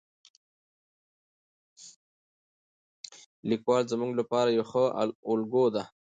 لیکوال زموږ لپاره یو ښه الګو دی.